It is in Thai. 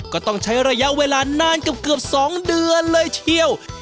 ก็ต้องใช้ระยะเวลานานกับเกือบ๒เดือนเลย